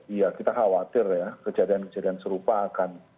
iya kita khawatir ya kejadian kejadian serupa akan